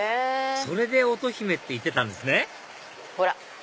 それで乙姫って言ってたんですねほら！